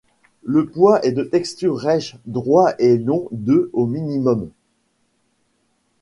Le poil est de texture rêche, droit et long de au minimum.